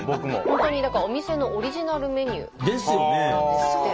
本当にだからお店のオリジナルメニューなんですって。